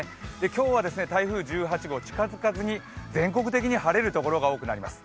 今日は台風１８号近づかずに全国的に晴れるところが多くなります。